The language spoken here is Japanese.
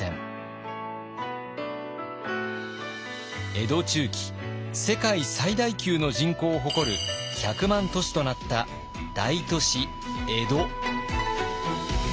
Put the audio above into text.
江戸中期世界最大級の人口を誇る１００万都市となった大都市江戸。